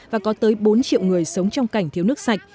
và có tới bốn triệu người sống trong cảnh thiếu nước sạch